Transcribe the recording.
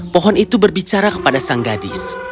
pohon itu berbicara kepada sang gadis